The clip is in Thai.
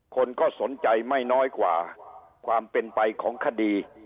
คนก็สนใจไม่น้อยกว่าความเป็นไปของคดี